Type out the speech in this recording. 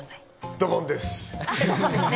ドボンです。